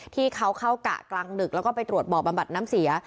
ที่เขาเข้ากะกลางดึกแล้วก็ไปตรวจบ่อบำบัดน้ำเสีย